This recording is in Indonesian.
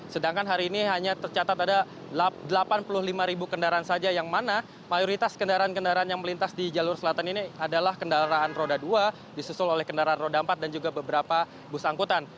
sedangkan hari ini hanya tercatat ada delapan puluh lima ribu kendaraan saja yang mana mayoritas kendaraan kendaraan yang melintas di jalur selatan ini adalah kendaraan roda dua disusul oleh kendaraan roda empat dan juga beberapa bus angkutan